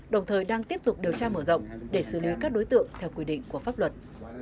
đồng thời đang tiếp tục điều tra mở rộng để xử lý các đối tượng theo quy định của pháp luật